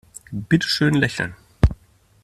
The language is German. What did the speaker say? Bitte schön lächeln.